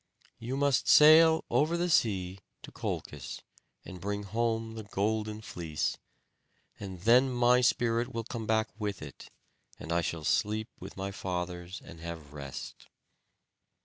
"You must sail over the sea to Colchis, and bring home the golden fleece; and then my spirit will come back with it, and I shall sleep with my fathers and have rest."